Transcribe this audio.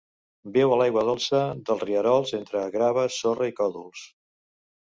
Viu a l'aigua dolça dels rierols entre grava, sorra i còdols.